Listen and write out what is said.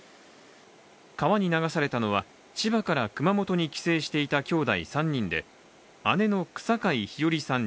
川に流されたのは千葉から熊本に帰省していたきょうだい３人で姉の草皆陽愛さん